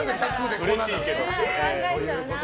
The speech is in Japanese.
うれしいけど。